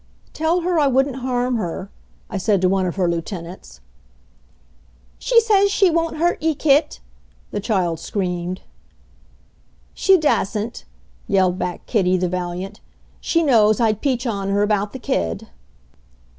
"Tell her I wouldn't harm her," I said to one of her lieutenants. "She says she won't hurt ye, Kit," the child screamed. "She dassent," yelled back Kitty, the valiant. "She knows I'd peach on her about the kid."